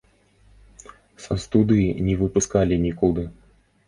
Са студыі не выпускалі нікуды.